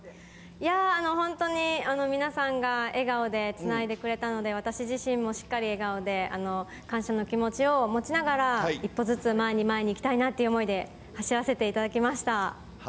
本当に皆さんが笑顔でつないでくれたので、私自身もしっかり笑顔で、感謝の気持ちを持ちながら、一歩ずつ前に前に行きたいなという想いで走らせていただきました。